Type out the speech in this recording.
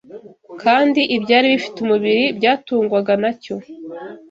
kandi ibyari bifite umubiri byatungwaga na cyo